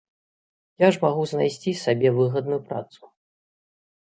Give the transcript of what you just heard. Я ж магу знайсці сабе выгадную працу.